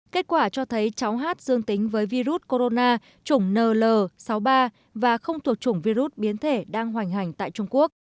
kết quả cho thấy cháu hát dương tính với virus corona chủng nl sáu mươi ba và không thuộc chủng virus biến thể đang hoành hành tại trung quốc